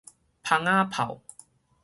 蜂仔炮